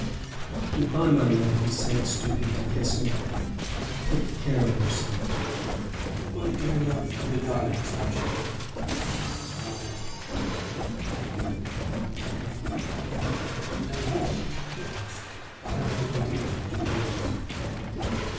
"Good bye, my love," he said, stooping to kiss her, "take care of yourself." "Give my dear love to the darlings, Archibald. And and " "And what?" he asked. "I have not a moment to lose."